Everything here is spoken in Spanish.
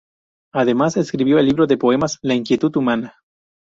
Además escribió el libro de poemas "La inquietud humana".